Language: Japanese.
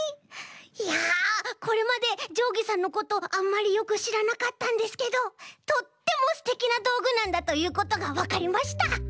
いやこれまでじょうぎさんのことあんまりよくしらなかったんですけどとってもステキなどうぐなんだということがわかりました。